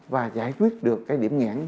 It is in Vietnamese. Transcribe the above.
và giải quyết được cái điểm ngãn